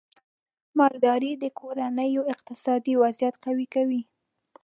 مالدارۍ د کورنیو اقتصادي وضعیت قوي کوي.